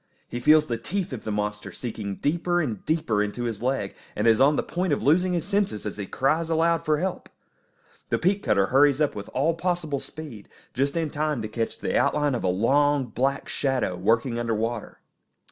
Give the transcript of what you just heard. He feels the teeth of the monster sinking deeper and deeper into his leg, and is on the point of losing his senses as he cries aloud for help. The peat cutter hurries up with all possible speed, just in time to catch the outline of a long, black shadow, working under water.